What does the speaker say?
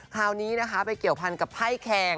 คราวนี้นะครับไปเกี่ยวภัณฑ์กับไข้แข่ง